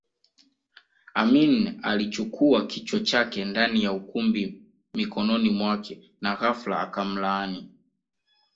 Amin alichukua kichwa chake ndani ya ukumbi mikononi mwake na ghafla akamlaani